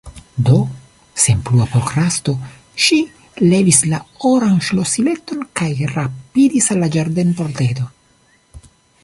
Do, sen plua prokrasto ŝi levis la oran ŝlosileton kaj rapidis al la ĝardenpordeto.